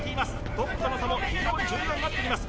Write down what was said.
トップとの差も非常に重要になってきます